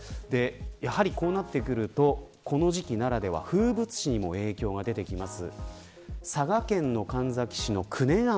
やはり、こうなってくるとこの時期ならでは風物詩にも影響が出てきます。